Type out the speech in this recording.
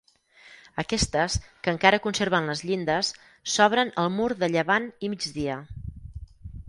Aquestes, que encara conserven les llindes, s'obren al mur de llevant i migdia.